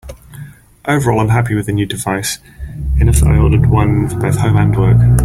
Overall I'm happy with the new device, enough that I ordered one for both home and work.